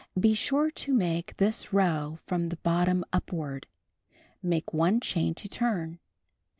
(Be sure to make this row from the bottom upward.) Make 1 chain to turn.